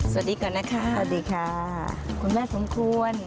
สวัสดีก่อนนะคะสวัสดีค่ะคุณแม่สมควร